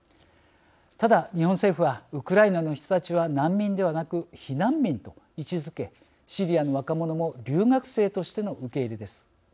ただ日本政府はウクライナの人たちは難民ではなく避難民と位置づけシリアの若者も留学生としての受け入れです。